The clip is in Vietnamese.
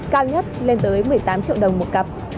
cao nhất lên tới một mươi tám triệu đồng một cặp